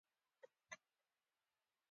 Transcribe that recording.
دروازه یې اوولسم سړک کې وه.